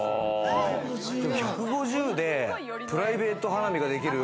１５０でプライベート花見ができる。